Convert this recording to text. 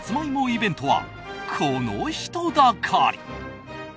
イベントはこの人だかり。